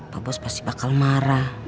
pak bos pasti bakal marah